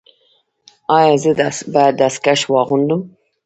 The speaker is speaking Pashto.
ایا زه باید دستکشې واغوندم؟